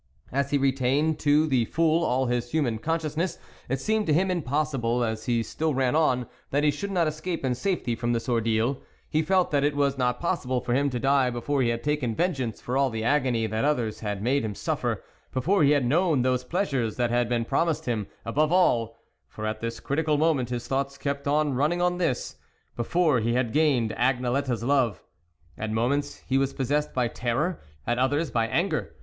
As he retained to the full all his human consciousness, it seemed to him impossible, as he still ran on, that he should not escape in safety from this ordeal ; he felt that it was not possible for him to die before he had taken vengeance for all the agony that others made him suffer, before he had known those pleasures that had been promised him, above all for at this critical moment his thoughts kept on running on this before he had gained Agnelette's love. At mo ments he was possessed by terror, at others by anger.